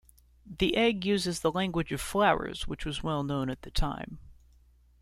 The egg uses the language of flowers which was well known at the time.